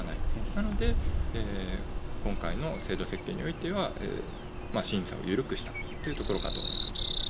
なので今回の制度設計においては審査を緩くしたというところかと思います。